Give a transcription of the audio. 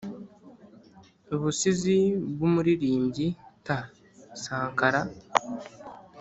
ubusizi bw’umuririmbyi t. sankara